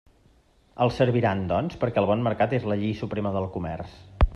Els serviran, doncs, perquè el bon mercat és la llei suprema del comerç.